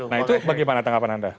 nah itu bagaimana tanggapan anda